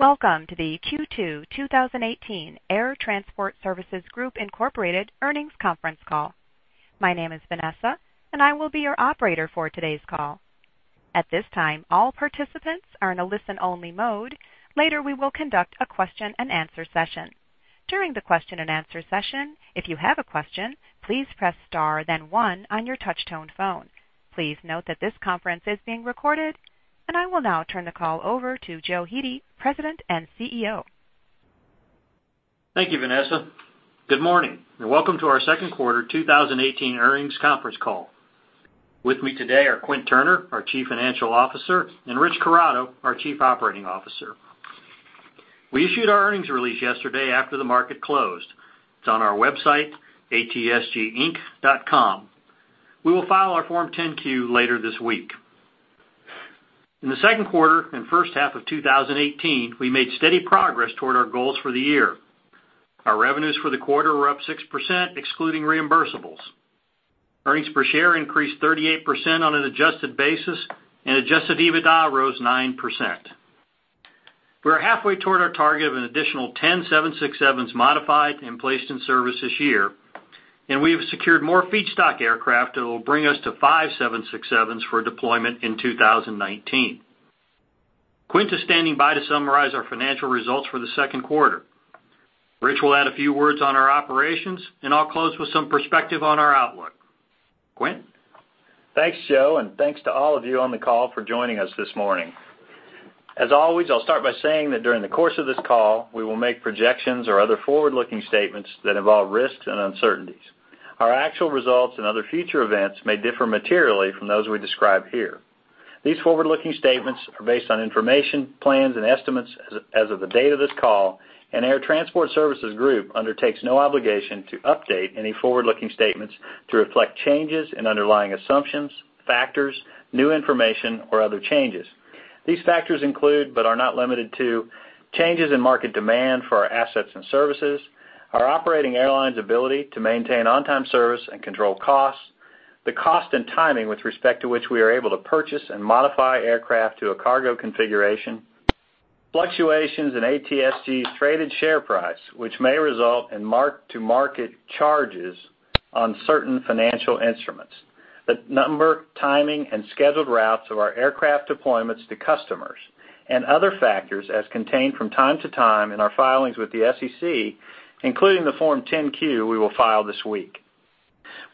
Welcome to the Q2 2018 Air Transport Services Group, Inc. earnings conference call. My name is Vanessa, and I will be your operator for today's call. At this time, all participants are in a listen-only mode. Later, we will conduct a question and answer session. During the question and answer session, if you have a question, please press star then one on your touch-tone phone. Please note that this conference is being recorded. I will now turn the call over to Joe Hete, President and CEO. Thank you, Vanessa. Good morning, welcome to our second quarter 2018 earnings conference call. With me today are Quint Turner, our Chief Financial Officer, and Rich Corrado, our Chief Operating Officer. We issued our earnings release yesterday after the market closed. It's on our website, atsginc.com. We will file our Form 10-Q later this week. In the second quarter and first half of 2018, we made steady progress toward our goals for the year. Our revenues for the quarter were up 6%, excluding reimbursables. Earnings per share increased 38% on an adjusted basis, and adjusted EBITDA rose 9%. We are halfway toward our target of an additional 10 767s modified and placed in service this year, and we have secured more feedstock aircraft that will bring us to 5 767s for deployment in 2019. Quint is standing by to summarize our financial results for the second quarter. Rich will add a few words on our operations. I'll close with some perspective on our outlook. Quint? Thanks, Joe, and thanks to all of you on the call for joining us this morning. As always, I'll start by saying that during the course of this call, we will make projections or other forward-looking statements that involve risks and uncertainties. Our actual results and other future events may differ materially from those we describe here. These forward-looking statements are based on information, plans, and estimates as of the date of this call. Air Transport Services Group undertakes no obligation to update any forward-looking statements to reflect changes in underlying assumptions, factors, new information, or other changes. These factors include, but are not limited to, changes in market demand for our assets and services, our operating airlines' ability to maintain on-time service and control costs, the cost and timing with respect to which we are able to purchase and modify aircraft to a cargo configuration, fluctuations in ATSG's traded share price, which may result in mark-to-market charges on certain financial instruments, the number, timing, and scheduled routes of our aircraft deployments to customers, and other factors as contained from time to time in our filings with the SEC, including the Form 10-Q we will file this week.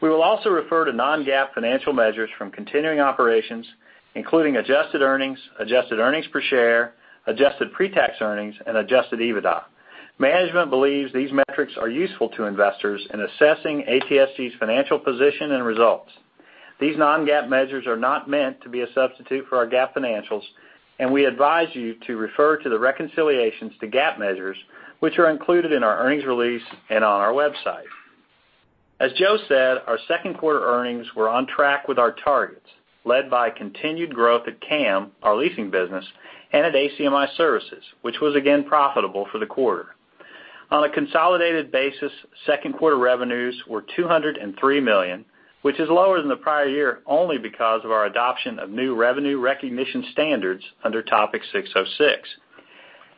We will also refer to non-GAAP financial measures from continuing operations, including adjusted earnings, adjusted earnings per share, adjusted pre-tax earnings, and adjusted EBITDA. Management believes these metrics are useful to investors in assessing ATSG's financial position and results. These non-GAAP measures are not meant to be a substitute for our GAAP financials, and we advise you to refer to the reconciliations to GAAP measures, which are included in our earnings release and on our website. As Joe said, our second quarter earnings were on track with our targets, led by continued growth at CAM, our leasing business, and at ACMI Services, which was again profitable for the quarter. On a consolidated basis, second quarter revenues were $203 million, which is lower than the prior year only because of our adoption of new revenue recognition standards under Topic 606.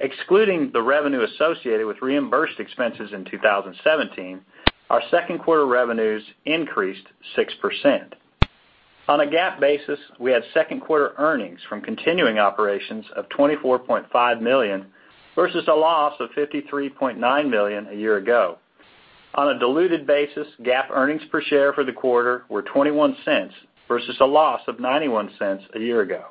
Excluding the revenue associated with reimbursed expenses in 2017, our second quarter revenues increased 6%. On a GAAP basis, we had second-quarter earnings from continuing operations of $24.5 million, versus a loss of $53.9 million a year ago. On a diluted basis, GAAP earnings per share for the quarter were $0.21 versus a loss of $0.91 a year ago.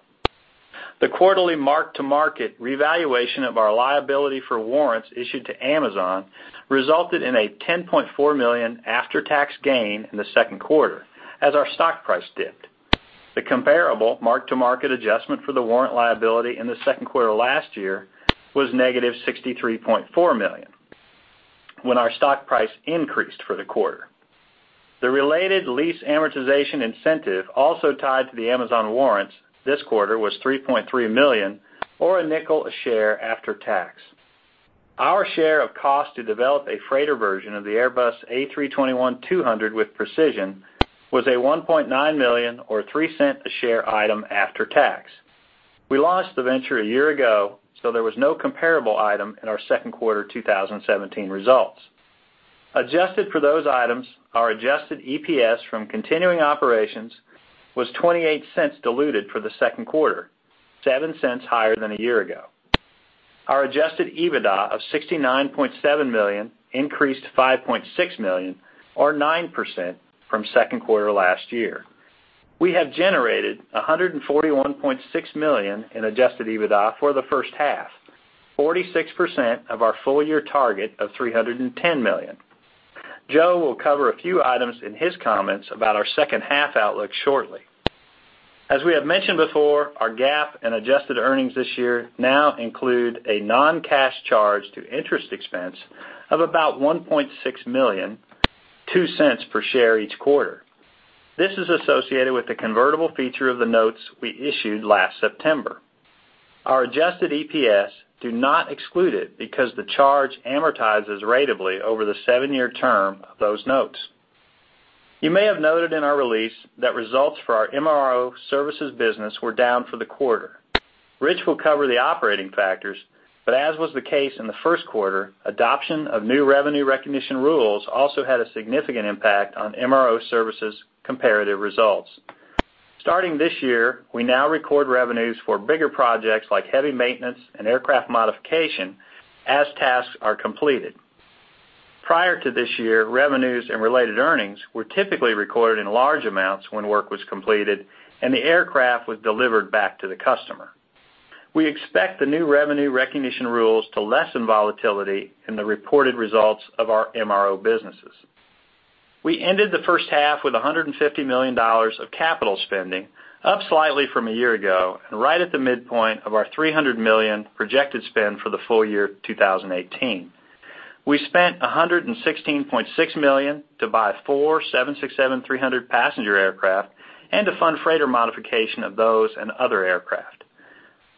The quarterly mark-to-market revaluation of our liability for warrants issued to Amazon resulted in a $10.4 million after-tax gain in the second quarter as our stock price dipped. The comparable mark-to-market adjustment for the warrant liability in the second quarter last year was negative $63.4 million when our stock price increased for the quarter. The related lease amortization incentive also tied to the Amazon warrants this quarter was $3.3 million, or $0.05 a share after tax. Our share of cost to develop a freighter version of the Airbus A321-200 with Precision was a $1.9 million or $0.03 a share item after tax. We launched the venture a year ago, so there was no comparable item in our second quarter 2017 results. Adjusted for those items, our adjusted EPS from continuing operations was $0.28 diluted for the second quarter, $0.07 higher than a year ago. Our adjusted EBITDA of $69.7 million increased $5.6 million or 9% from second quarter last year. We have generated $141.6 million in adjusted EBITDA for the first half, 46% of our full-year target of $310 million. Joe will cover a few items in his comments about our second half outlook shortly. As we have mentioned before, our GAAP and adjusted earnings this year now include a non-cash charge to interest expense of about $1.6 million, $0.02 per share each quarter. This is associated with the convertible feature of the notes we issued last September. Our adjusted EPS do not exclude it because the charge amortizes ratably over the seven-year term of those notes. You may have noted in our release that results for our MRO Services business were down for the quarter. Rich will cover the operating factors, but as was the case in the first quarter, adoption of new revenue recognition rules also had a significant impact on MRO Services' comparative results. Starting this year, we now record revenues for bigger projects like heavy maintenance and aircraft modification as tasks are completed. Prior to this year, revenues and related earnings were typically recorded in large amounts when work was completed and the aircraft was delivered back to the customer. We expect the new revenue recognition rules to lessen volatility in the reported results of our MRO businesses. We ended the first half with $150 million of capital spending, up slightly from a year ago and right at the midpoint of our $300 million projected spend for the full year 2018. We spent $116.6 million to buy four Boeing 767-300 passenger aircraft and to fund freighter modification of those and other aircraft.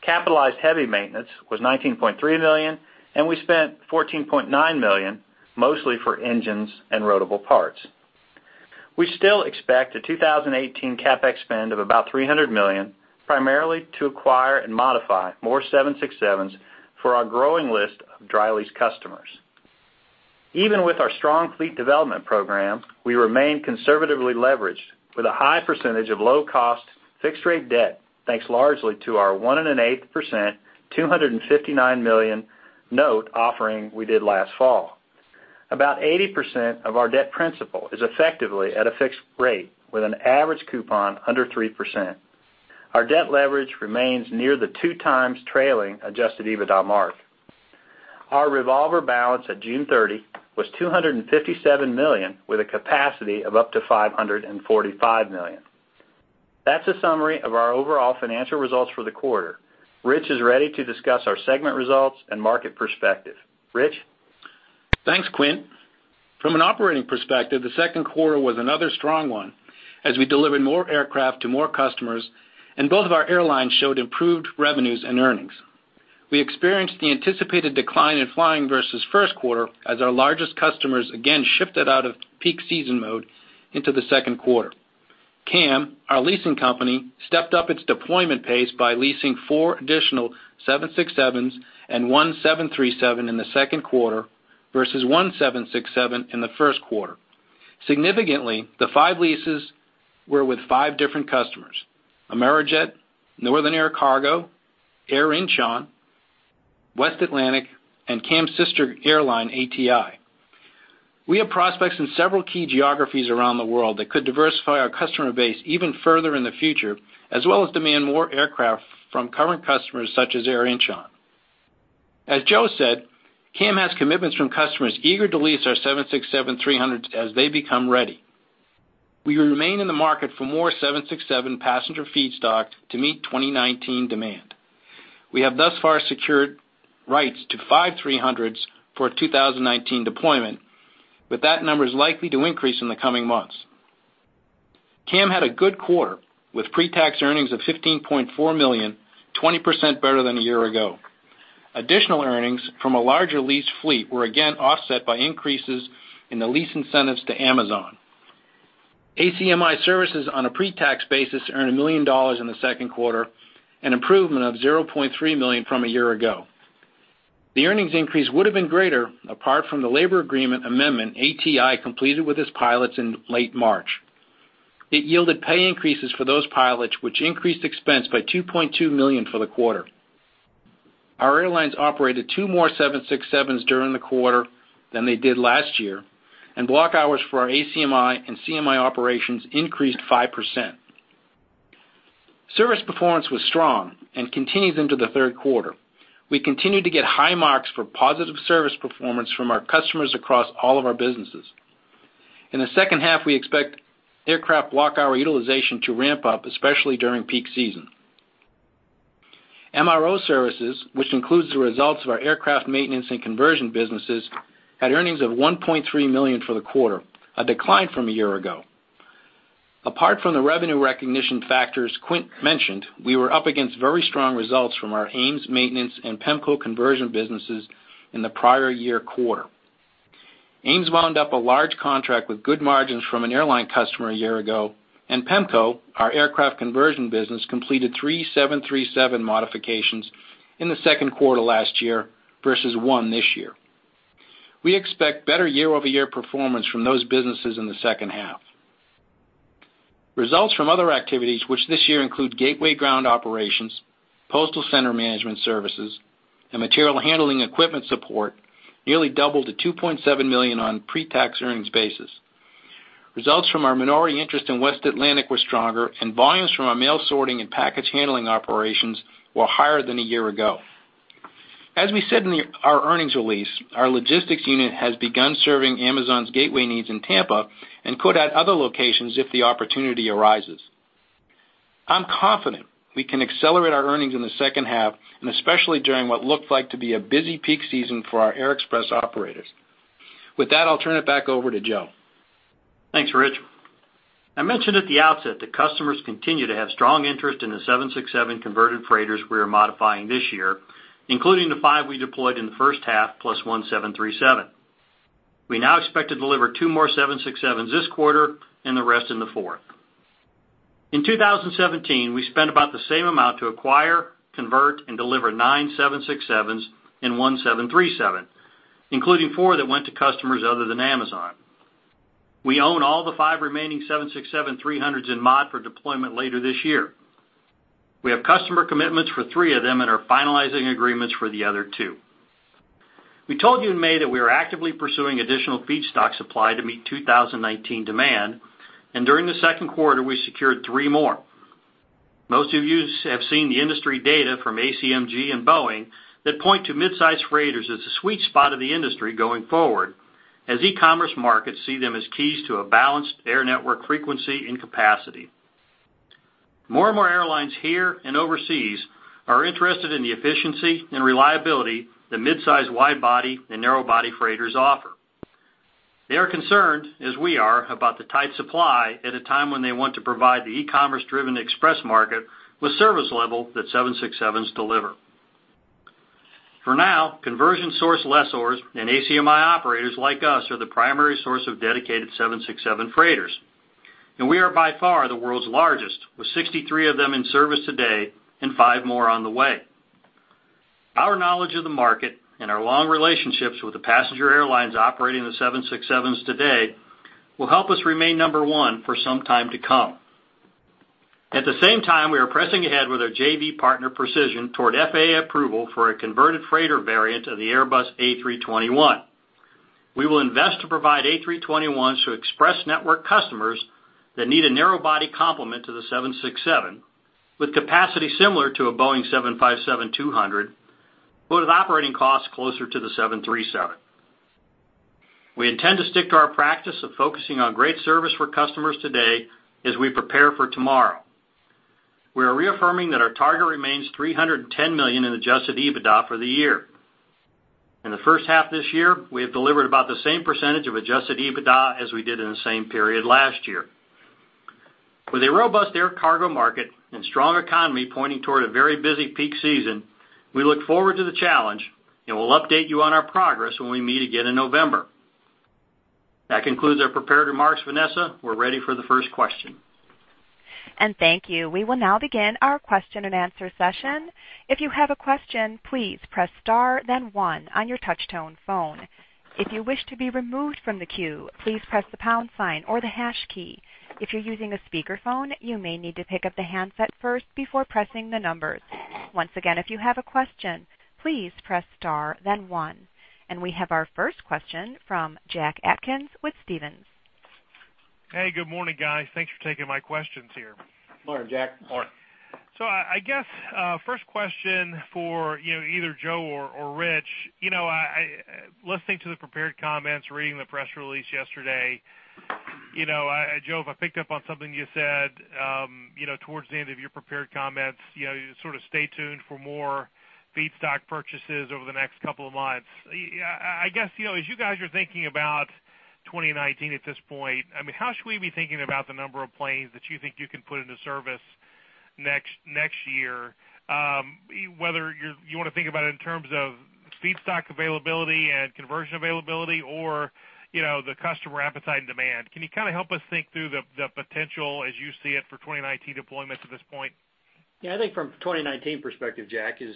Capitalized heavy maintenance was $19.3 million, and we spent $14.9 million, mostly for engines and rotable parts. We still expect a 2018 CapEx spend of about $300 million, primarily to acquire and modify more Boeing 767s for our growing list of dry lease customers. Even with our strong fleet development program, we remain conservatively leveraged with a high percentage of low-cost fixed rate debt, thanks largely to our one and an eighth percent, $259 million note offering we did last fall. About 80% of our debt principal is effectively at a fixed rate with an average coupon under 3%. Our debt leverage remains near the two times trailing adjusted EBITDA mark. Our revolver balance at June 30 was $257 million with a capacity of up to $545 million. That's a summary of our overall financial results for the quarter. Rich is ready to discuss our segment results and market perspective. Rich? Thanks, Quint. From an operating perspective, the second quarter was another strong one as we delivered more aircraft to more customers, and both of our airlines showed improved revenues and earnings. We experienced the anticipated decline in flying versus first quarter as our largest customers again shifted out of peak season mode into the second quarter. CAM, our leasing company, stepped up its deployment pace by leasing four additional Boeing 767s and one Boeing 737 in the second quarter versus one Boeing 767 in the first quarter. Significantly, the five leases were with five different customers, Amerijet, Northern Air Cargo, Air Incheon, West Atlantic, and CAM's sister airline, ATI. We have prospects in several key geographies around the world that could diversify our customer base even further in the future, as well as demand more aircraft from current customers such as Air Incheon. As Joe said, CAM has commitments from customers eager to lease our 767-300s as they become ready. We remain in the market for more 767 passenger feedstock to meet 2019 demand. We have thus far secured rights to 5 300s for a 2019 deployment, That number is likely to increase in the coming months. CAM had a good quarter with pre-tax earnings of $15.4 million, 20% better than a year ago. Additional earnings from a larger lease fleet were again offset by increases in the lease incentives to Amazon. ACMI Services on a pre-tax basis earned $1 million in the second quarter, an improvement of $0.3 million from a year ago. The earnings increase would've been greater apart from the labor agreement amendment ATI completed with its pilots in late March. It yielded pay increases for those pilots, which increased expense by $2.2 million for the quarter. Our airlines operated 2 more 767s during the quarter than they did last year, block hours for our ACMI and CMI operations increased 5%. Service performance was strong and continues into the third quarter. We continue to get high marks for positive service performance from our customers across all of our businesses. In the second half, we expect aircraft block hour utilization to ramp up, especially during peak season. MRO Services, which includes the results of our aircraft maintenance and conversion businesses, had earnings of $1.3 million for the quarter, a decline from a year ago. Apart from the revenue recognition factors Quint mentioned, we were up against very strong results from our AMES maintenance and Pemco Conversions businesses in the prior year quarter. AMES wound up a large contract with good margins from an airline customer a year ago, Pemco Conversions, our aircraft conversion business, completed 3 737 modifications in the second quarter last year versus one this year. We expect better year-over-year performance from those businesses in the second half. Results from other activities, which this year include gateway ground operations, postal center management services, and material handling equipment support, nearly doubled to $2.7 million on pre-tax earnings basis. Results from our minority interest in West Atlantic were stronger, volumes from our mail sorting and package handling operations were higher than a year ago. As we said in our earnings release, our logistics unit has begun serving Amazon's gateway needs in Tampa and could at other locations if the opportunity arises. I'm confident we can accelerate our earnings in the second half and especially during what looks like to be a busy peak season for our Air Express operators. With that, I'll turn it back over to Joe. Thanks, Rich. I mentioned at the outset that customers continue to have strong interest in the Boeing 767 converted freighters we are modifying this year, including the five we deployed in the first half, plus one Boeing 737. We now expect to deliver two more Boeing 767s this quarter and the rest in the fourth. In 2017, we spent about the same amount to acquire, convert, and deliver nine Boeing 767s and one Boeing 737, including four that went to customers other than Amazon. We own all the five remaining Boeing 767-300s in mod for deployment later this year. We have customer commitments for three of them and are finalizing agreements for the other two. We told you in May that we are actively pursuing additional feedstock supply to meet 2019 demand. During the second quarter, we secured three more. Most of you have seen the industry data from ACMG and Boeing that point to midsize freighters as the sweet spot of the industry going forward, as e-commerce markets see them as keys to a balanced air network frequency and capacity. More and more airlines here and overseas are interested in the efficiency and reliability that midsize wide-body and narrow-body freighters offer. They are concerned, as we are, about the tight supply at a time when they want to provide the e-commerce driven express market with service level that Boeing 767s deliver. For now, conversion source lessors and ACMI operators like us are the primary source of dedicated Boeing 767 freighters, and we are by far the world's largest, with 63 of them in service today and five more on the way. Our knowledge of the market and our long relationships with the passenger airlines operating the Boeing 767s today will help us remain number 1 for some time to come. At the same time, we are pressing ahead with our JV partner, Precision, toward FAA approval for a converted freighter variant of the Airbus A321. We will invest to provide Airbus A321s to express network customers that need a narrow-body complement to the Boeing 767 with capacity similar to a Boeing 757-200, but with operating costs closer to the Boeing 737. We intend to stick to our practice of focusing on great service for customers today as we prepare for tomorrow. We are reaffirming that our target remains $310 million in adjusted EBITDA for the year. In the first half of this year, we have delivered about the same percentage of adjusted EBITDA as we did in the same period last year. With a robust air cargo market and strong economy pointing toward a very busy peak season, we look forward to the challenge, and we'll update you on our progress when we meet again in November. That concludes our prepared remarks, Vanessa. We're ready for the first question. Thank you. We will now begin our question and answer session. If you have a question, please press star then one on your touch-tone phone. If you wish to be removed from the queue, please press the pound sign or the hash key. If you're using a speakerphone, you may need to pick up the handset first before pressing the numbers. Once again, if you have a question, please press star then one. We have our first question from Jack Atkins with Stephens. Hey. Good morning, guys. Thanks for taking my questions here. Morning, Jack. Morning. I guess, first question for either Joe or Rich. Listening to the prepared comments, reading the press release yesterday, Joe, I picked up on something you said towards the end of your prepared comments. You sort of, "Stay tuned for more feedstock purchases over the next couple of months." I guess, as you guys are thinking about 2019 at this point, how should we be thinking about the number of planes that you think you can put into service next year? Whether you want to think about it in terms of feedstock availability and conversion availability or the customer appetite and demand. Can you kind of help us think through the potential as you see it for 2019 deployments at this point? I think from a 2019 perspective, Jack, is,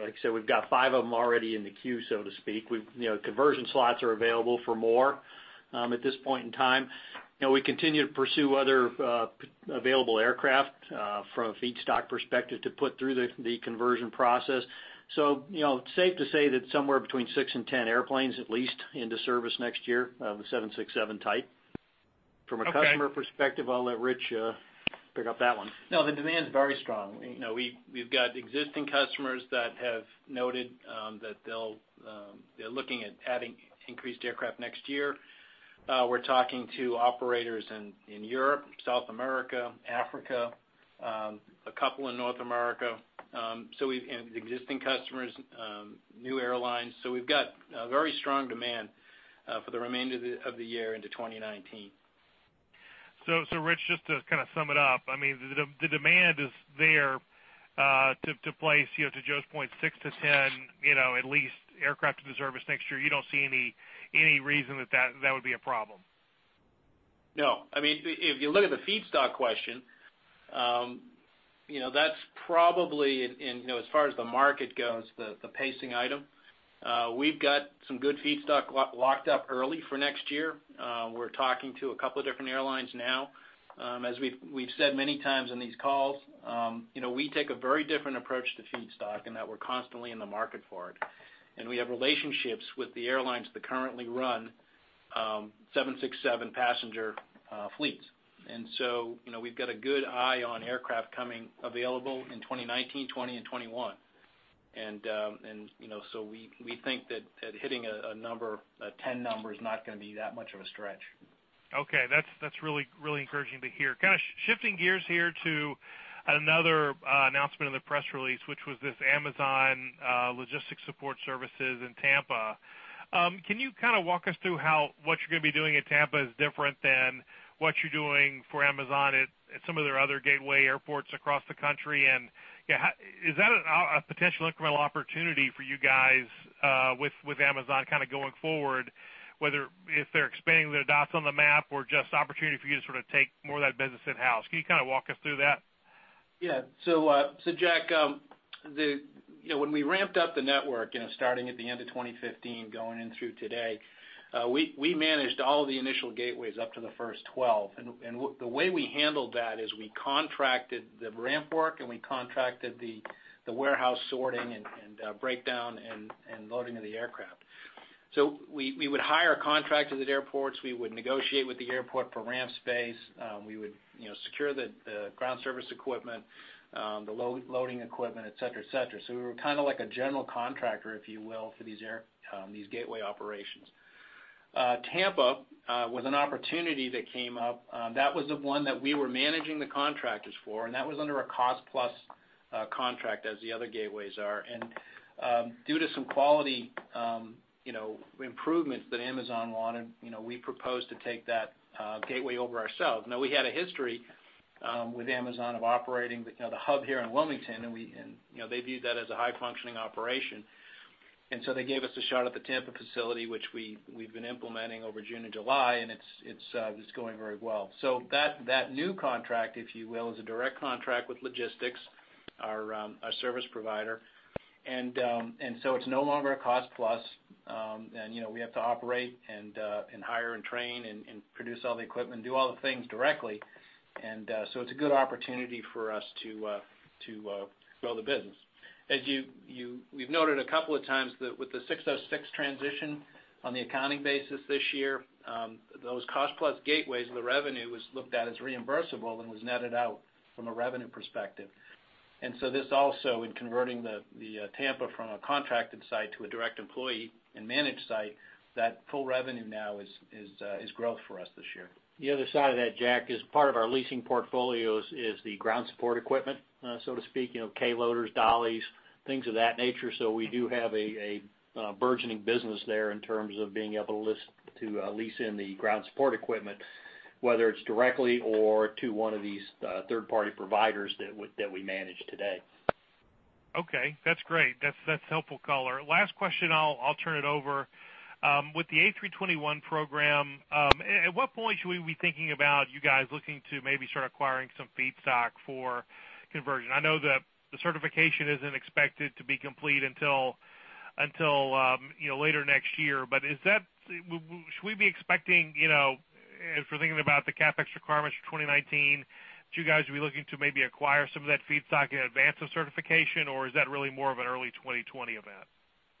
like I said, we've got five of them already in the queue, so to speak. Conversion slots are available for more at this point in time. We continue to pursue other available aircraft, from a feedstock perspective, to put through the conversion process. Safe to say that somewhere between six and 10 airplanes, at least, into service next year of the Boeing 767 type. Okay. From a customer perspective, I'll let Rich pick up that one. The demand is very strong. We've got existing customers that have noted that they're looking at adding increased aircraft next year. We're talking to operators in Europe, South America, Africa, a couple in North America, and existing customers, new airlines. We've got very strong demand for the remainder of the year into 2019. Rich, just to kind of sum it up, the demand is there to place, to Joe's point, 6-10 at least, aircraft into service next year. You don't see any reason that that would be a problem? No. If you look at the feedstock question, that's probably, as far as the market goes, the pacing item. We've got some good feedstock locked up early for next year. We're talking to a couple of different airlines now. As we've said many times in these calls, we take a very different approach to feedstock in that we're constantly in the market for it, and we have relationships with the airlines that currently run 767 passenger fleets. We've got a good eye on aircraft coming available in 2019, 2020, and 2021. We think that hitting a 10 number is not going to be that much of a stretch. Okay. That's really encouraging to hear. Kind of shifting gears here to another announcement in the press release, which was this Amazon Logistics Support Services in Tampa. Can you kind of walk us through how what you're going to be doing at Tampa is different than what you're doing for Amazon at some of their other gateway airports across the country? Is that a potential incremental opportunity for you guys with Amazon kind of going forward, whether if they're expanding their dots on the map or just opportunity for you to sort of take more of that business in-house? Can you kind of walk us through that? Yeah. Jack, when we ramped up the network starting at the end of 2015, going in through today, we managed all of the initial gateways up to the first 12. The way we handled that is we contracted the ramp work and we contracted the warehouse sorting and breakdown and loading of the aircraft. We would hire contractors at airports, we would negotiate with the airport for ramp space, we would secure the ground service equipment, the loading equipment, et cetera. We were kind of like a general contractor, if you will, for these gateway operations. Tampa was an opportunity that came up. That was the one that we were managing the contractors for, and that was under a cost-plus contract as the other gateways are. Due to some quality improvements that Amazon wanted, we proposed to take that gateway over ourselves. We had a history with Amazon of operating the hub here in Wilmington, and they viewed that as a high-functioning operation. They gave us a shot at the Tampa facility, which we've been implementing over June and July, and it's going very well. That new contract, if you will, is a direct contract with logistics, our service provider. It's no longer a cost-plus. We have to operate and hire and train and produce all the equipment, do all the things directly. It's a good opportunity for us to grow the business. As we've noted a couple of times that with the 606 transition on the accounting basis this year, those cost-plus gateways, the revenue was looked at as reimbursable and was netted out from a revenue perspective. This also, in converting the Tampa from a contracted site to a direct employee and managed site, that full revenue now is growth for us this year. The other side of that, Jack, is part of our leasing portfolios is the ground support equipment, so to speak, K-loaders, dollies, things of that nature. We do have a burgeoning business there in terms of being able to lease in the ground support equipment, whether it's directly or to one of these third-party providers that we manage today. Okay. That's great. That's helpful color. Last question, I'll turn it over. With the A321 program, at what point should we be thinking about you guys looking to maybe start acquiring some feedstock for conversion? I know the certification isn't expected to be complete until later next year. Should we be expecting, if we're thinking about the CapEx requirements for 2019, should you guys be looking to maybe acquire some of that feedstock in advance of certification, or is that really more of an early 2020 event?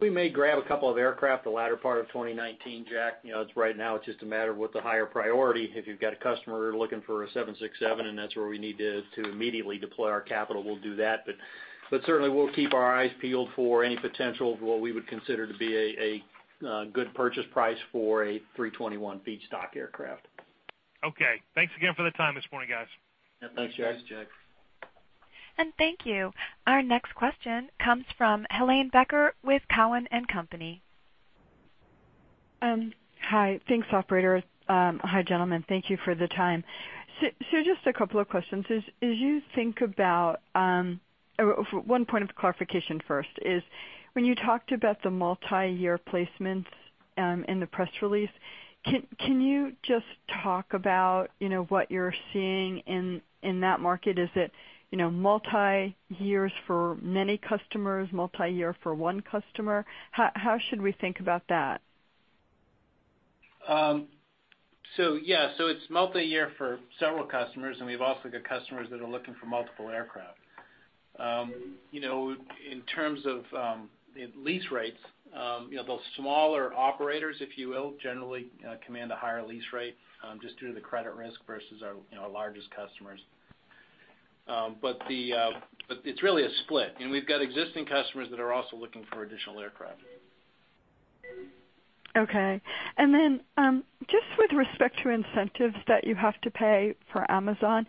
We may grab a couple of aircraft the latter part of 2019, Jack. Right now it's just a matter of what the higher priority, if you've got a customer looking for a 767, and that's where we need to immediately deploy our capital, we'll do that. Certainly, we'll keep our eyes peeled for any potential of what we would consider to be a good purchase price for a 321 feedstock aircraft. Okay. Thanks again for the time this morning, guys. Yeah, thanks, Jack. Thanks, Jack. Thank you. Our next question comes from Helane Becker with Cowen and Company. Hi. Thanks, operator. Hi, gentlemen. Thank you for the time. Just a couple of questions. One point of clarification first is when you talked about the multi-year placements in the press release, can you just talk about what you're seeing in that market? Is it multi-years for many customers, multi-year for one customer? How should we think about that? It's multi-year for several customers, and we've also got customers that are looking for multiple aircraft. In terms of the lease rates, those smaller operators, if you will, generally command a higher lease rate just due to the credit risk versus our largest customers. It's really a split, and we've got existing customers that are also looking for additional aircraft. Okay. Then, just with respect to incentives that you have to pay for Amazon,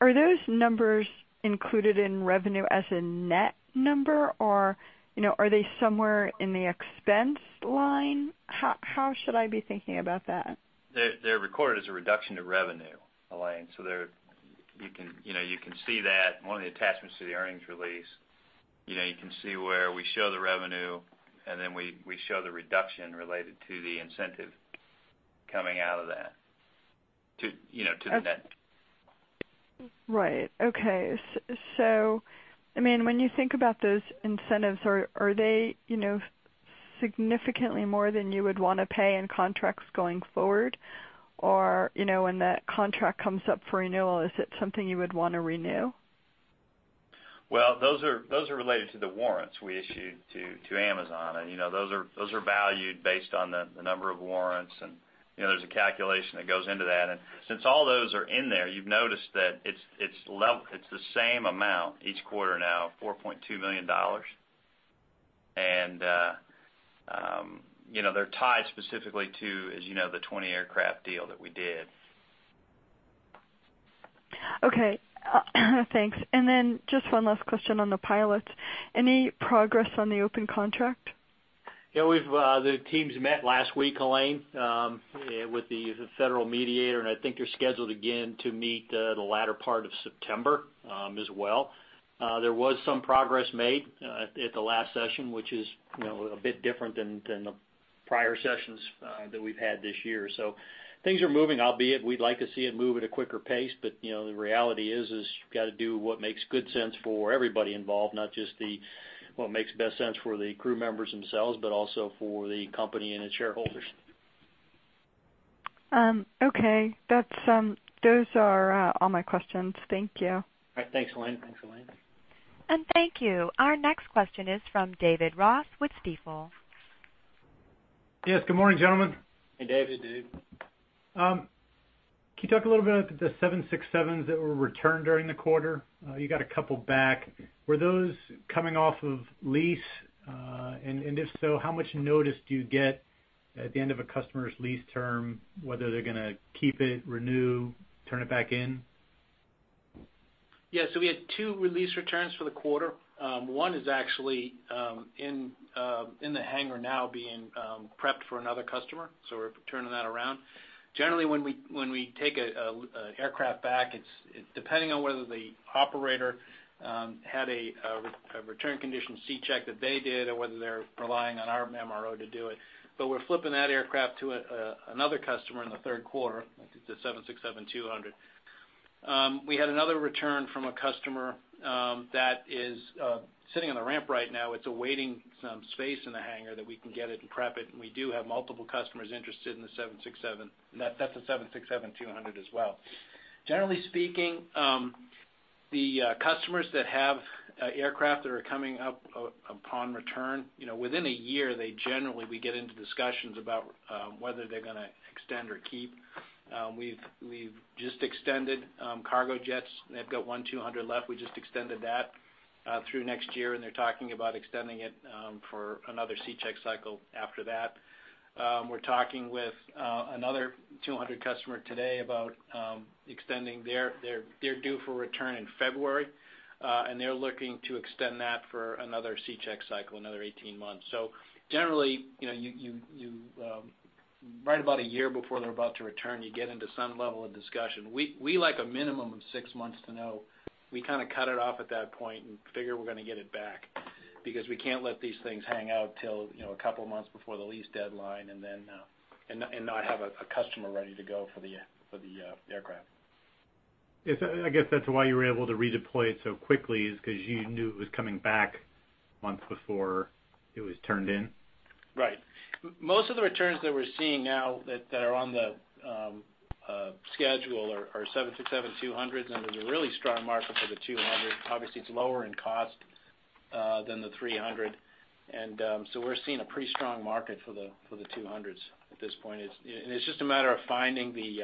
are those numbers included in revenue as a net number, or are they somewhere in the expense line? How should I be thinking about that? They're recorded as a reduction to revenue, Helane. You can see that in one of the attachments to the earnings release. You can see where we show the revenue, and then we show the reduction related to the incentive coming out of that to the net. Right. Okay. When you think about those incentives, are they significantly more than you would want to pay in contracts going forward? When that contract comes up for renewal, is it something you would want to renew? Well, those are related to the warrants we issued to Amazon, and those are valued based on the number of warrants, and there's a calculation that goes into that. Since all those are in there, you've noticed that it's the same amount each quarter now, $4.2 million. They're tied specifically to, as you know, the 20 aircraft deal that we did. Okay. Thanks. Then just one last question on the pilots. Any progress on the open contract? Yeah. The teams met last week, Helane, with the federal mediator. I think they're scheduled again to meet the latter part of September as well. There was some progress made at the last session, which is a bit different than the prior sessions that we've had this year. Things are moving, albeit we'd like to see it move at a quicker pace. The reality is you've got to do what makes good sense for everybody involved, not just what makes best sense for the crew members themselves, but also for the company and its shareholders. Okay. Those are all my questions. Thank you. All right. Thanks, Helane. Thanks, Helane. Thank you. Our next question is from David Ross with Stifel. Yes, good morning, gentlemen. Hey, David. Can you talk a little bit about the 767s that were returned during the quarter? You got a couple back. Were those coming off of lease? If so, how much notice do you get at the end of a customer's lease term whether they're going to keep it, renew, turn it back in? Yeah. We had two lease returns for the quarter. One is actually in the hangar now being prepped for another customer. We're turning that around. Generally, when we take an aircraft back, depending on whether the operator had a return condition C check that they did or whether they're relying on our MRO to do it, we're flipping that aircraft to another customer in the third quarter. I think it's a 767-200. We had another return from a customer that is sitting on the ramp right now. It's awaiting some space in the hangar that we can get it and prep it, we do have multiple customers interested in the 767. That's a 767-200 as well. Generally speaking, the customers that have aircraft that are coming up upon return, within a year, generally, we get into discussions about whether they're going to extend or keep. We've just extended Cargojet. They've got one 200 left. We just extended that through next year, and they're talking about extending it for another C check cycle after that. We're talking with another 200 customer today about extending. They're due for return in February, and they're looking to extend that for another C check cycle, another 18 months. Generally, right about a year before they're about to return, you get into some level of discussion. We like a minimum of six months to know. We kind of cut it off at that point and figure we're going to get it back, because we can't let these things hang out till a couple of months before the lease deadline and not have a customer ready to go for the aircraft. Yes. I guess that's why you were able to redeploy it so quickly is because you knew it was coming back months before it was turned in? Right. Most of the returns that we're seeing now that are on the schedule are 767-200s, and there's a really strong market for the 200. Obviously, it's lower in cost than the 300. We're seeing a pretty strong market for the 200s at this point. It's just a matter of finding the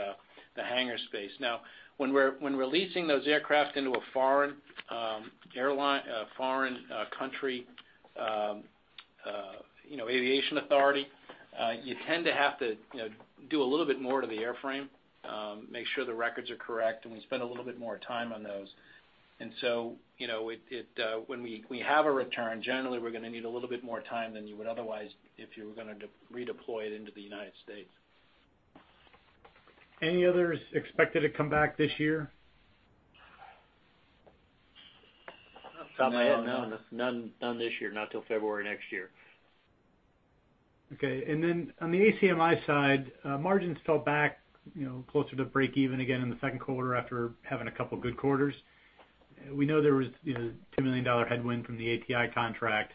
hangar space. Now, when we're leasing those aircraft into a foreign country aviation authority, you tend to have to do a little bit more to the airframe, make sure the records are correct, and we spend a little bit more time on those. When we have a return, generally, we're going to need a little bit more time than you would otherwise if you were going to redeploy it into the United States. Any others expected to come back this year? Top of my head, no. None this year. Not till February next year. Okay. Then on the ACMI side, margins fell back closer to break even again in the second quarter after having a couple of good quarters. We know there was a $10 million headwind from the ATI contract.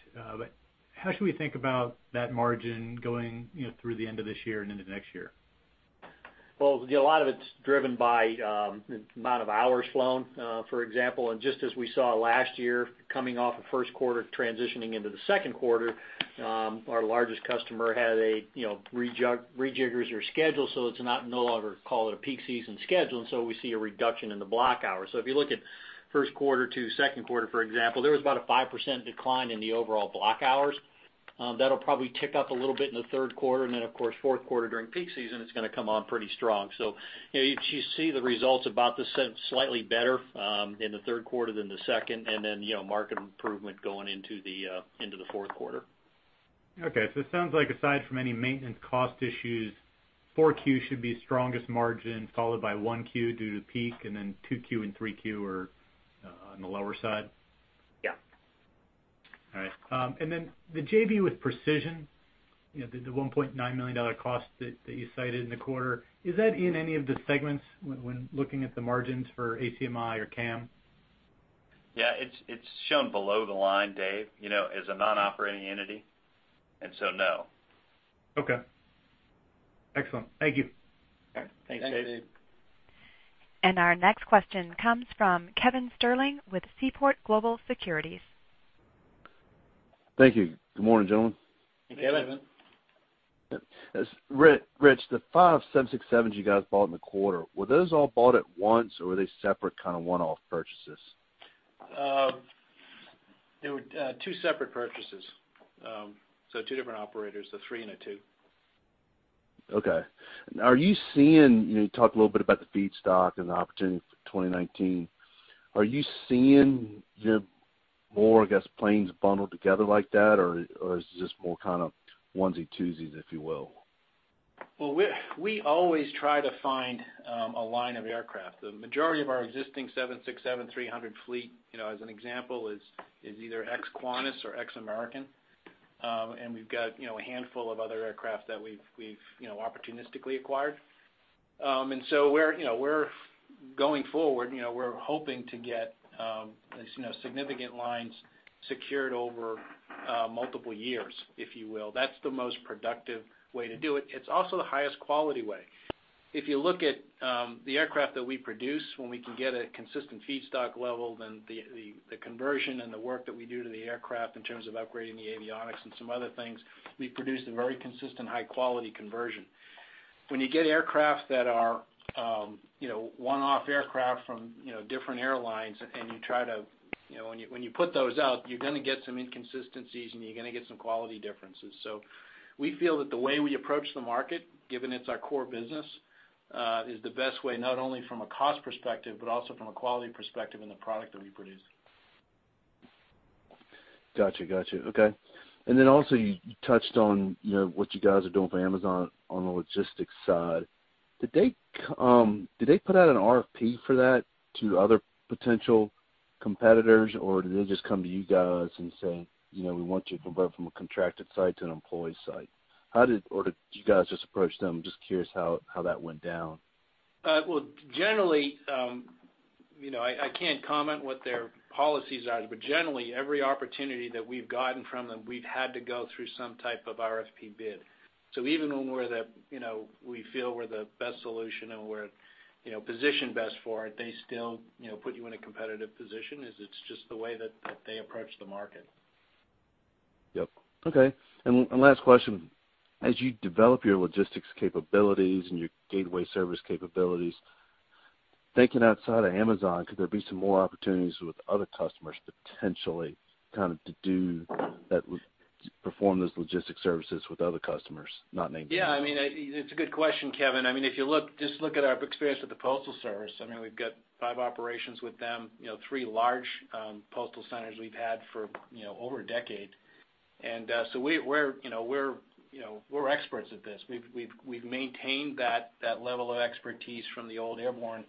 How should we think about that margin going through the end of this year and into next year? Well, a lot of it's driven by the amount of hours flown, for example. Just as we saw last year, coming off of first quarter transitioning into the second quarter, our largest customer had a rejigger of their schedule, it's no longer called a peak season schedule, we see a reduction in the block hours. If you look at first quarter to second quarter, for example, there was about a 5% decline in the overall block hours. That'll probably tick up a little bit in the third quarter, then of course, fourth quarter during peak season, it's going to come on pretty strong. You should see the results about the same, slightly better in the third quarter than the second, then market improvement going into the fourth quarter. Okay. It sounds like aside from any maintenance cost issues, 4Q should be strongest margin followed by 1Q due to peak, 2Q and 3Q are on the lower side. Yeah. All right. Then the JV with Precision, the $1.9 million cost that you cited in the quarter, is that in any of the segments when looking at the margins for ACMI or CAM? Yeah. It's shown below the line, Dave, as a non-operating entity, and so no. Okay. Excellent. Thank you. All right. Thanks, Dave. Thanks, Dave. Our next question comes from Kevin Sterling with Seaport Global Securities. Thank you. Good morning, gentlemen. Hey, Kevin. Rich, the five 767s you guys bought in the quarter, were those all bought at once, or were they separate kind of one-off purchases? They were two separate purchases. Two different operators, the three and a two. Okay. You talked a little bit about the feedstock and the opportunity for 2019. Are you seeing more planes bundled together like that, or is it just more kind of onesie-twosies, if you will? Well, we always try to find a line of aircraft. The majority of our existing 767-300 fleet, as an example, is either ex-Qantas or ex-American, and we've got a handful of other aircraft that we've opportunistically acquired. Going forward, we're hoping to get significant lines secured over multiple years, if you will. That's the most productive way to do it. It's also the highest quality way. If you look at the aircraft that we produce, when we can get a consistent feedstock level, then the conversion and the work that we do to the aircraft in terms of upgrading the avionics and some other things, we produce a very consistent high-quality conversion. When you get aircraft that are one-off aircraft from different airlines, and when you put those out, you're going to get some inconsistencies, and you're going to get some quality differences. We feel that the way we approach the market, given it's our core business, is the best way, not only from a cost perspective, but also from a quality perspective in the product that we produce. Got you. Okay. You touched on what you guys are doing for Amazon on the logistics side. Did they put out an RFP for that to other potential competitors, or did they just come to you guys and say, "We want you to convert from a contracted site to an employee site?" Did you guys just approach them? Just curious how that went down. Generally, I can't comment what their policies are, generally, every opportunity that we've gotten from them, we've had to go through some type of RFP bid. Even when we feel we're the best solution and we're positioned best for it, they still put you in a competitive position as it's just the way that they approach the market. Yep. Okay. Last question, as you develop your logistics capabilities and your gateway service capabilities, thinking outside of Amazon, could there be some more opportunities with other customers potentially, kind of to perform those logistics services with other customers, not named Amazon? Yeah. It's a good question, Kevin. If you just look at our experience with the Postal Service, we've got five operations with them, three large postal centers we've had for over a decade. We're experts at this. We've maintained that level of expertise from the old Airborne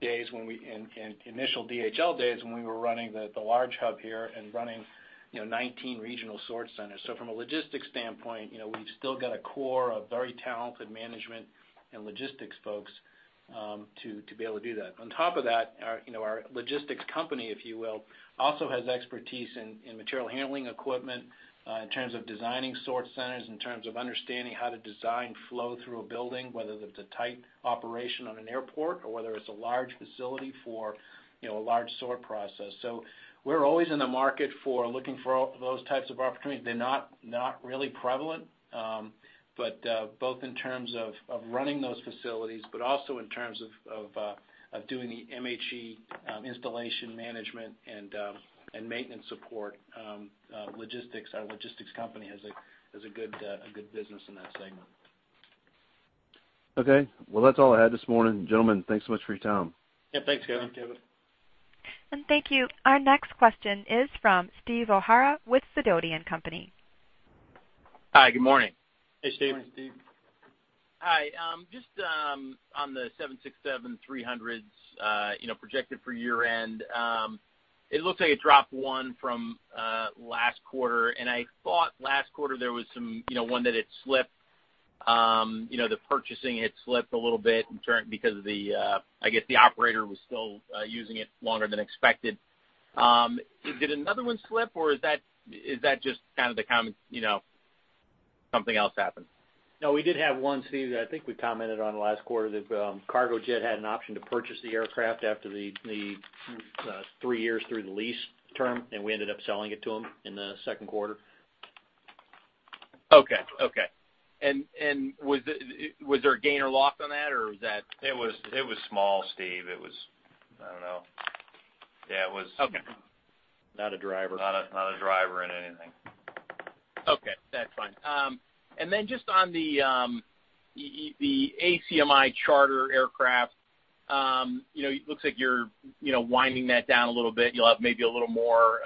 days and initial DHL days when we were running the large hub here and running 19 regional sort centers. From a logistics standpoint, we've still got a core of very talented management and logistics folks to be able to do that. On top of that, our logistics company, if you will, also has expertise in material handling equipment, in terms of designing sort centers, in terms of understanding how to design flow through a building, whether it's a tight operation on an airport or whether it's a large facility for a large sort process. We're always in the market for looking for those types of opportunities. They're not really prevalent, but both in terms of running those facilities, but also in terms of doing the MHE installation management and maintenance support logistics. Our logistics company has a good business in that segment. Okay. Well, that's all I had this morning. Gentlemen, thanks so much for your time. Yeah. Thanks, Kevin. Thank you, Kevin. Thank you. Our next question is from Steve O'Hara with Sidoti & Company. Hi, good morning. Hey, Steve. Morning, Steve. Hi. Just on the 767-300s projected for year-end. It looks like it dropped one from last quarter, and I thought last quarter there was one that had slipped. The purchasing had slipped a little bit because I guess the operator was still using it longer than expected. Did another one slip, or is that just kind of the common, something else happened? No, we did have one, Steve, that I think we commented on last quarter, that Cargojet had an option to purchase the aircraft after the three years through the lease term, we ended up selling it to them in the second quarter. Okay. was there a gain or loss on that? It was small, Steve. It was, I don't know. Okay Not a driver. Not a driver in anything. Okay, that's fine. Then just on the ACMI charter aircraft. It looks like you're winding that down a little bit. You'll have maybe a little more,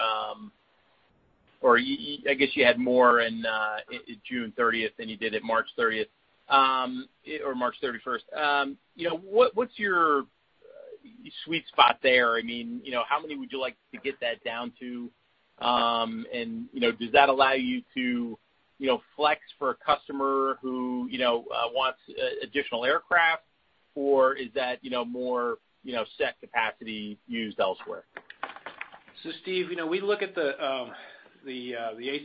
or I guess you had more in June 30th than you did at March 31st. What's your sweet spot there? How many would you like to get that down to? Does that allow you to flex for a customer who wants additional aircraft, or is that more set capacity used elsewhere? Steve, we look at the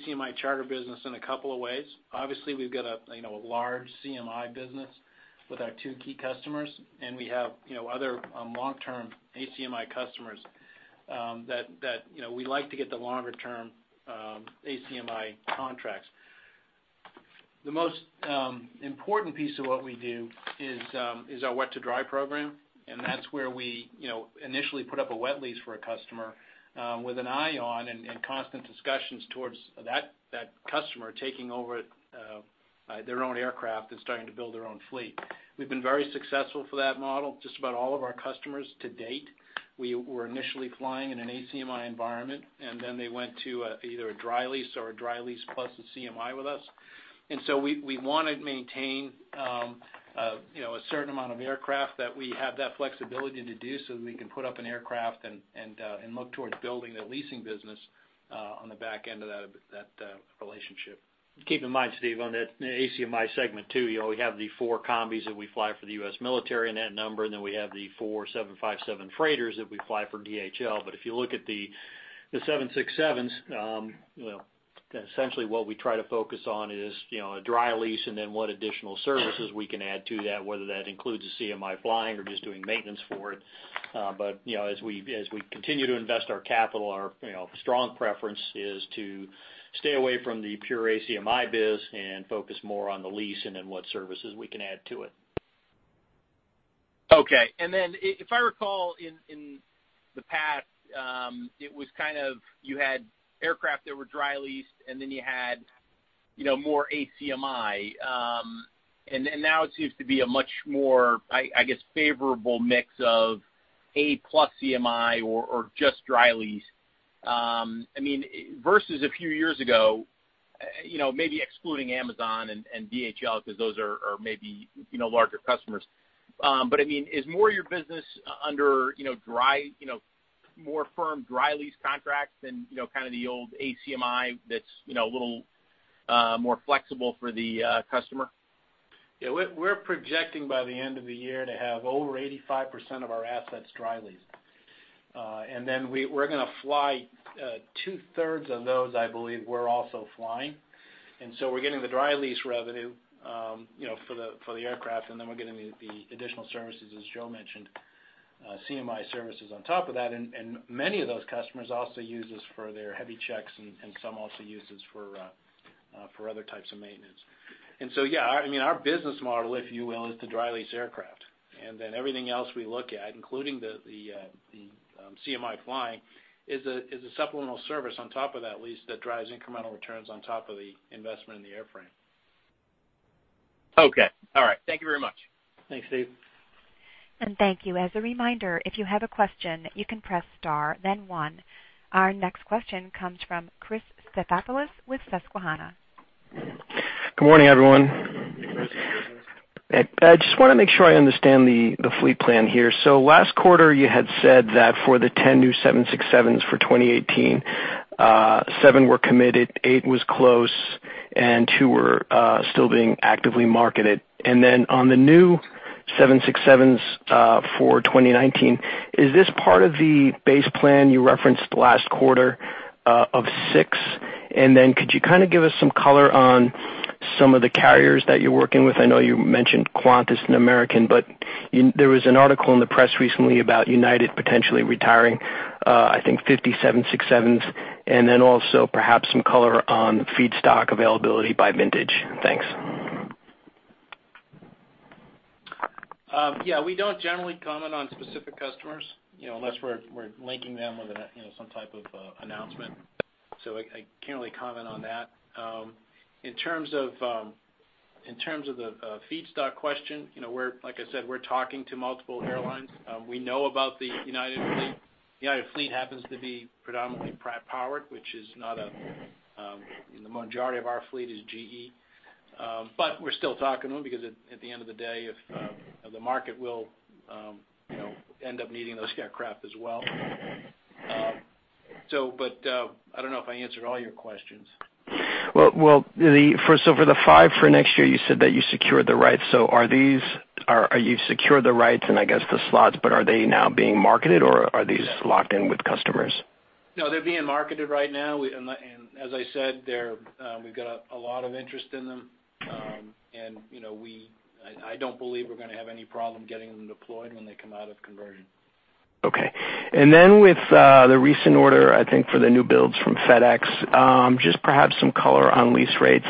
ACMI charter business in a couple of ways. Obviously, we've got a large CMI business with our two key customers, and we have other long-term ACMI customers that we like to get the longer-term ACMI contracts. The most important piece of what we do is our wet-to-dry program, and that's where we initially put up a wet lease for a customer with an eye on and constant discussions towards that customer taking over their own aircraft and starting to build their own fleet. We've been very successful for that model. Just about all of our customers to date, we were initially flying in an ACMI environment, and then they went to either a dry lease or a dry lease plus a CMI with us. We want to maintain a certain amount of aircraft that we have that flexibility to do so that we can put up an aircraft and look towards building the leasing business on the back end of that relationship. Keep in mind, Steve, on that ACMI segment too, we have the 4 combis that we fly for the U.S. Military in that number, then we have the 4 757 freighters that we fly for DHL. If you look at the 767s, essentially what we try to focus on is a dry lease and then what additional services we can add to that, whether that includes a CMI flying or just doing maintenance for it. As we continue to invest our capital, our strong preference is to stay away from the pure ACMI biz and focus more on the lease and then what services we can add to it. Okay. If I recall in the past, it was kind of you had aircraft that were dry leased, then you had more ACMI. Now it seems to be a much more, I guess, favorable mix of ACMI or just dry lease. Versus a few years ago, maybe excluding Amazon and DHL, because those are maybe larger customers. Is more of your business under more firm dry lease contracts than kind of the old ACMI that's a little more flexible for the customer? Yeah. We're projecting by the end of the year to have over 85% of our assets dry leased. We're going to fly two-thirds of those, I believe, we're also flying. We're getting the dry lease revenue for the aircraft, then we're getting the additional services, as Joe mentioned, CMI services on top of that. Many of those customers also use us for their heavy checks, some also use us for other types of maintenance. Yeah, our business model, if you will, is to dry lease aircraft. Everything else we look at, including the CMI flying, is a supplemental service on top of that lease that drives incremental returns on top of the investment in the airframe. Okay. All right. Thank you very much. Thanks, Steve. Thank you. As a reminder, if you have a question, you can press star then one. Our next question comes from Chris with Susquehanna. Good morning, everyone. I just want to make sure I understand the fleet plan here. Last quarter, you had said that for the 10 new Boeing 767s for 2018, seven were committed, eight was close, and two were still being actively marketed. On the new Boeing 767s for 2019, is this part of the base plan you referenced last quarter of six? Could you kind of give us some color on some of the carriers that you're working with? I know you mentioned Qantas and American, but there was an article in the press recently about United potentially retiring, I think, 50 Boeing 767s, and then also perhaps some color on feedstock availability by vintage. Thanks. We don't generally comment on specific customers, unless we're linking them with some type of announcement. I can't really comment on that. In terms of the feedstock question, like I said, we're talking to multiple airlines. We know about the United fleet. The United fleet happens to be predominantly Pratt-powered. The majority of our fleet is GE, we're still talking to them because at the end of the day, if the market will end up needing those aircraft as well. I don't know if I answered all your questions. For the five for next year, you said that you secured the rights. You've secured the rights and I guess the slots, are they now being marketed, or are these locked in with customers? No, they're being marketed right now. As I said, we've got a lot of interest in them. I don't believe we're going to have any problem getting them deployed when they come out of conversion. Okay. With the recent order, I think, for the new builds from FedEx, just perhaps some color on lease rates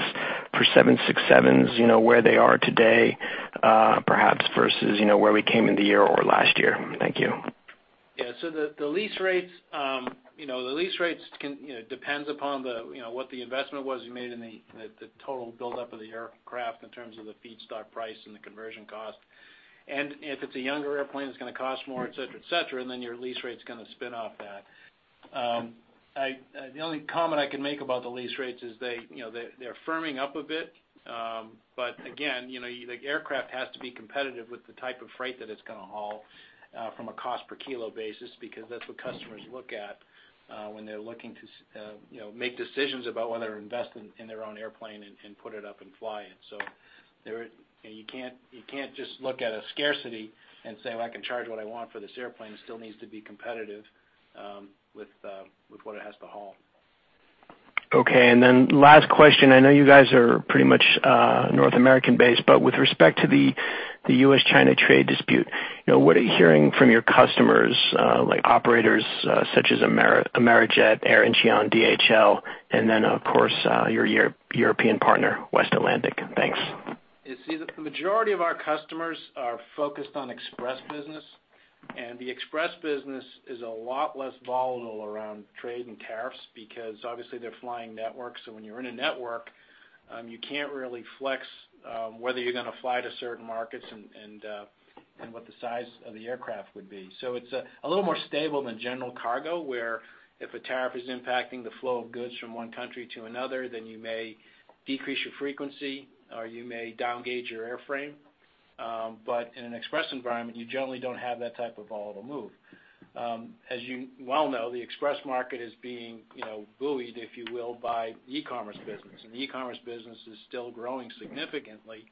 for 767s, where they are today perhaps versus where we came in the year or last year. Thank you. The lease rates depends upon what the investment was you made and the total buildup of the aircraft in terms of the feedstock price and the conversion cost. If it's a younger airplane, it's going to cost more, et cetera. Your lease rate's going to spin off that. The only comment I can make about the lease rates is they're firming up a bit. Again, the aircraft has to be competitive with the type of freight that it's going to haul from a cost per kilo basis because that's what customers look at when they're looking to make decisions about whether to invest in their own airplane and put it up and fly it. You can't just look at a scarcity and say, "Well, I can charge what I want for this airplane." It still needs to be competitive with what it has to haul. Okay, last question. I know you guys are pretty much North American based, with respect to the U.S.-China trade dispute, what are you hearing from your customers, like operators such as Amerijet, Air Incheon, DHL, then of course, your European partner, West Atlantic? Thanks. You see that the majority of our customers are focused on express business, the express business is a lot less volatile around trade and tariffs because obviously they're flying networks. When you're in a network, you can't really flex whether you're going to fly to certain markets and what the size of the aircraft would be. It's a little more stable than general cargo, where if a tariff is impacting the flow of goods from one country to another, then you may decrease your frequency, or you may down-gauge your airframe. In an express environment, you generally don't have that type of volatile move. As you well know, the express market is being buoyed, if you will, by e-commerce business. The e-commerce business is still growing significantly,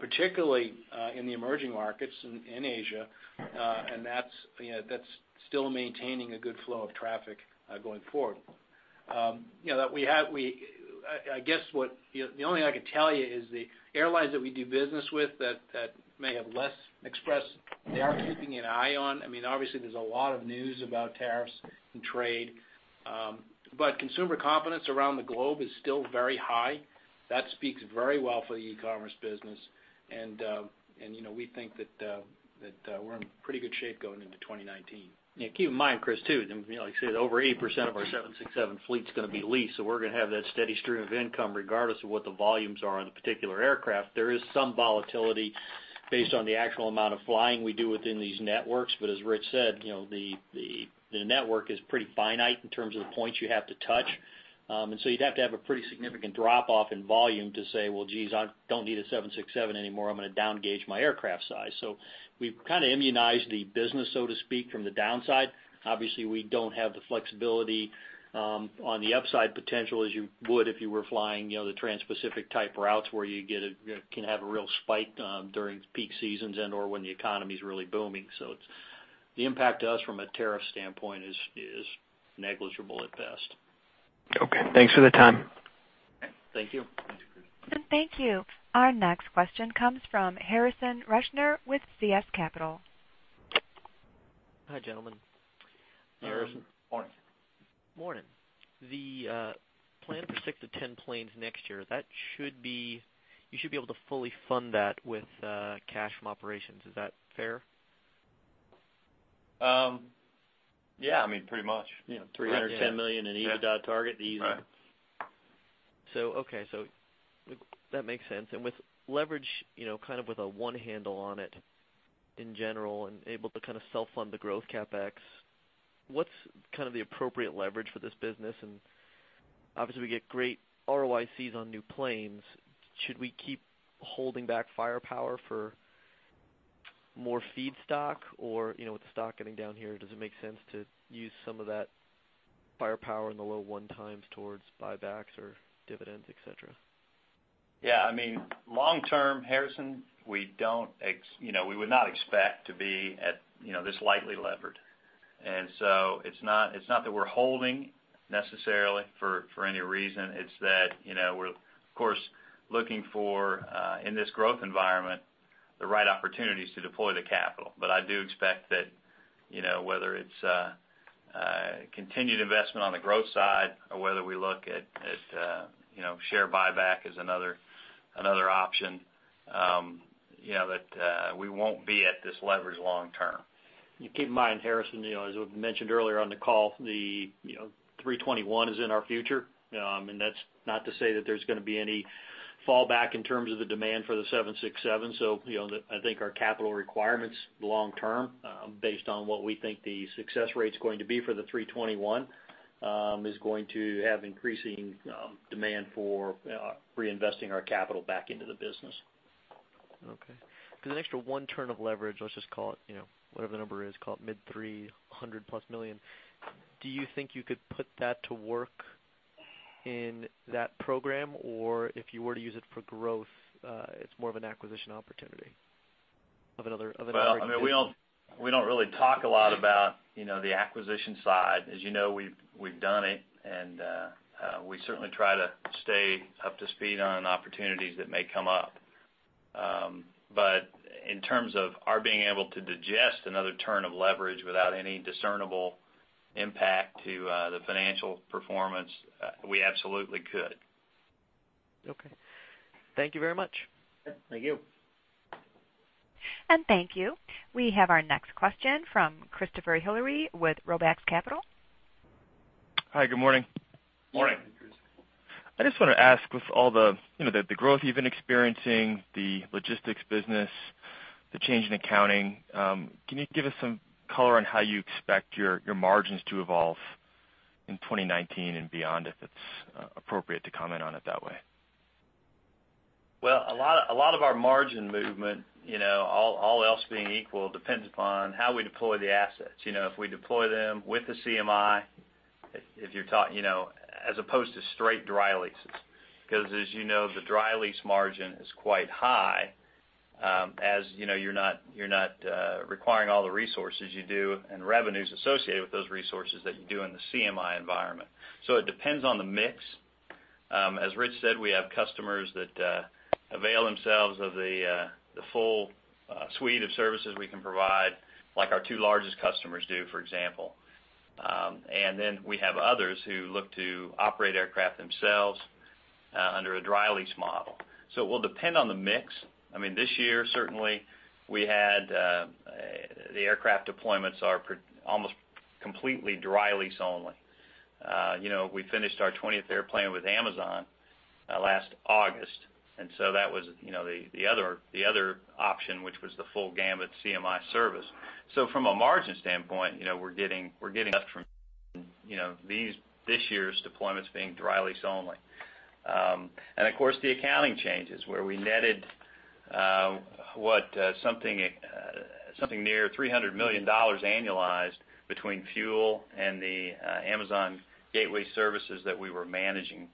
particularly in the emerging markets in Asia. That's still maintaining a good flow of traffic going forward. The only thing I can tell you is the airlines that we do business with that may have less express, they are keeping an eye on. Obviously, there's a lot of news about tariffs and trade. Consumer confidence around the globe is still very high. That speaks very well for the e-commerce business, and we think that we're in pretty good shape going into 2019. Yeah. Keep in mind, Chris, too, like you said, over 80% of our 767 fleet's going to be leased. We're going to have that steady stream of income regardless of what the volumes are on the particular aircraft. There is some volatility based on the actual amount of flying we do within these networks. As Rich said, the network is pretty finite in terms of the points you have to touch. You'd have to have a pretty significant drop-off in volume to say, "Well, geez, I don't need a 767 anymore. I'm going to down-gauge my aircraft size." We've kind of immunized the business, so to speak, from the downside. Obviously, we don't have the flexibility on the upside potential as you would if you were flying the trans-Pacific type routes where you can have a real spike during peak seasons and/or when the economy's really booming. The impact to us from a tariff standpoint is negligible at best. Okay. Thanks for the time. Thank you. Thanks, Chris. Thank you. Our next question comes from Harrison Shure with CS Capital. Hi, gentlemen. Harrison, morning. Morning. The plan for six to 10 planes next year, you should be able to fully fund that with cash from operations. Is that fair? Yeah. Pretty much. $310 million in EBITDA target easy. Okay. That makes sense. With leverage, kind of with a one handle on it in general and able to kind of self-fund the growth CapEx, what's kind of the appropriate leverage for this business? Obviously, we get great ROIC on new planes. Should we keep holding back firepower for more feedstock? With the stock getting down here, does it make sense to use some of that firepower in the low one times towards buybacks or dividends, et cetera? Yeah. Long term, Harrison, we would not expect to be this lightly levered. It's not that we're holding necessarily for any reason. It's that we're of course looking for, in this growth environment, the right opportunities to deploy the capital. I do expect that whether it's continued investment on the growth side or whether we look at share buyback as another option, that we won't be at this leverage long term. Keep in mind, Harrison, as we've mentioned earlier on the call, the 321 is in our future. That's not to say that there's going to be any fallback in terms of the demand for the 767. I think our capital requirements long term, based on what we think the success rate's going to be for the 321, is going to have increasing demand for reinvesting our capital back into the business. Okay. Because an extra one turn of leverage, let's just call it whatever the number is, call it mid $300+ million. Do you think you could put that to work in that program? If you were to use it for growth, it's more of an acquisition opportunity of another- Well, we don't really talk a lot about the acquisition side. As you know, we've done it, and we certainly try to stay up to speed on opportunities that may come up. In terms of our being able to digest another turn of leverage without any discernible impact to the financial performance, we absolutely could. Okay. Thank you very much. Thank you. Thank you. We have our next question from Christopher Hillary with Roubaix Capital. Hi, good morning. Morning. Morning, Chris. I just want to ask, with all the growth you've been experiencing, the logistics business, the change in accounting, can you give us some color on how you expect your margins to evolve in 2019 and beyond, if it's appropriate to comment on it that way? Well, a lot of our margin movement, all else being equal, depends upon how we deploy the assets. If we deploy them with the CMI, as opposed to straight dry leases. As you know, the dry lease margin is quite high. You're not requiring all the resources you do and revenues associated with those resources that you do in the CMI environment. It depends on the mix. As Rich said, we have customers that avail themselves of the full suite of services we can provide, like our two largest customers do, for example. We have others who look to operate aircraft themselves under a dry lease model. It will depend on the mix. This year, certainly, the aircraft deployments are almost completely dry lease only. We finished our 20th airplane with Amazon last August, and that was the other option, which was the full gamut CMI service. From a margin standpoint, we're getting from these, this year's deployments being dry lease only. The accounting changes, where we netted something near $300 million annualized between fuel and the Amazon Gateway services that we were managing,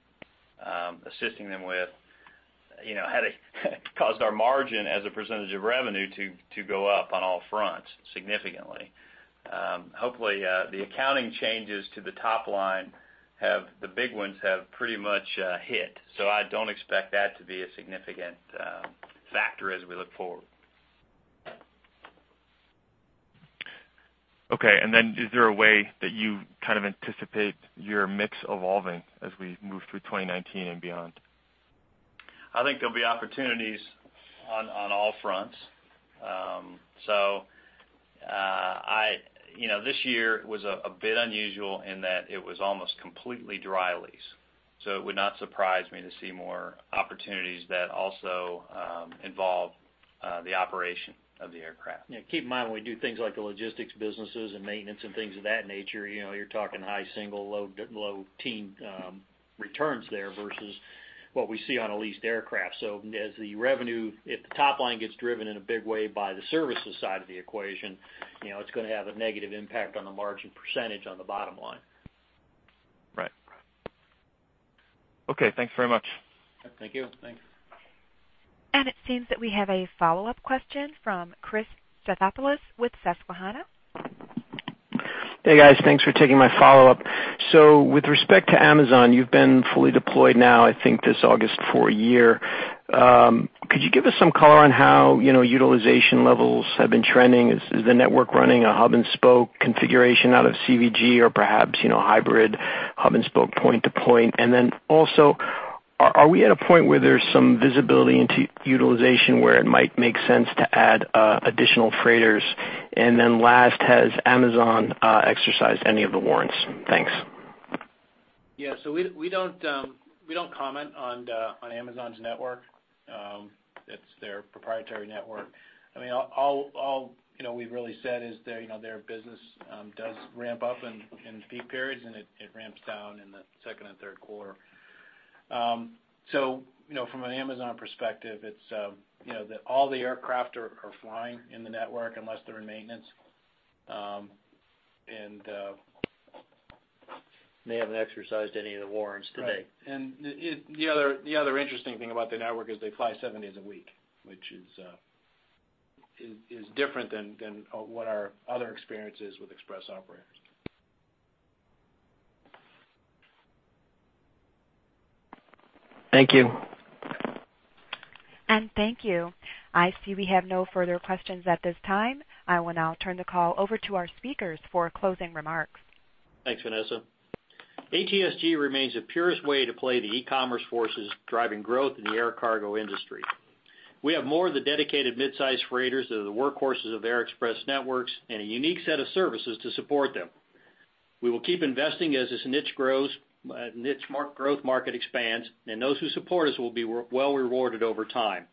assisting them with, had caused our margin as a percentage of revenue to go up on all fronts significantly. Hopefully, the accounting changes to the top line, the big ones, have pretty much hit, I don't expect that to be a significant factor as we look forward. Okay. Is there a way that you kind of anticipate your mix evolving as we move through 2019 and beyond? I think there'll be opportunities on all fronts. This year was a bit unusual in that it was almost completely dry lease. It would not surprise me to see more opportunities that also involve the operation of the aircraft. Yeah, keep in mind, when we do things like the logistics businesses and maintenance and things of that nature, you're talking high single, low teen returns there versus what we see on a leased aircraft. As the revenue, if the top line gets driven in a big way by the services side of the equation, it's going to have a negative impact on the margin percentage on the bottom line. Right. Okay, thanks very much. Thank you. Thanks. It seems that we have a follow-up question from Chris Stathopoulos with Susquehanna. Hey, guys. Thanks for taking my follow-up. With respect to Amazon, you've been fully deployed now, I think, this August for a year. Could you give us some color on how utilization levels have been trending? Is the network running a hub-and-spoke configuration out of CVG or perhaps hybrid hub-and-spoke point to point? Also, are we at a point where there's some visibility into utilization where it might make sense to add additional freighters? Last, has Amazon exercised any of the warrants? Thanks. Yeah, we don't comment on Amazon's network. It's their proprietary network. All we've really said is their business does ramp up in peak periods, and it ramps down in the second and third quarter. From an Amazon perspective, all the aircraft are flying in the network unless they're in maintenance. They haven't exercised any of the warrants to date. Right. The other interesting thing about the network is they fly seven days a week, which is different than what our other experience is with express operators. Thank you. Thank you. I see we have no further questions at this time. I will now turn the call over to our speakers for closing remarks. Thanks, Vanessa. ATSG remains the purest way to play the e-commerce forces driving growth in the air cargo industry. We have more of the dedicated mid-size freighters that are the workhorses of air express networks and a unique set of services to support them. We will keep investing as this niche growth market expands, and those who support us will be well rewarded over time.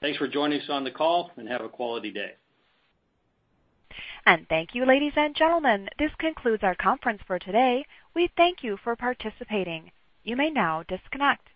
Thanks for joining us on the call, and have a quality day. Thank you, ladies and gentlemen. This concludes our conference for today. We thank you for participating. You may now disconnect.